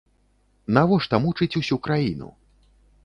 Навошта мучыць усю краіну?